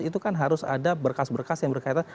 itu kan harus ada berkas berkas yang berkaitan